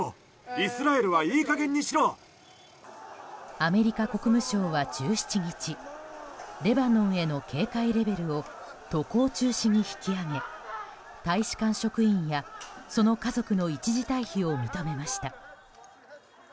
アメリカ国務省は１７日レバノンへの警戒レベルを渡航中止に引き上げ大使館職員や、その家族の一時退避を認めました。